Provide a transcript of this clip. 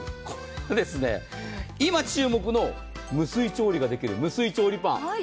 それにこれです、今、注目の無水調理ができる無水調理パン。